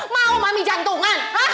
mau mami jantungan hah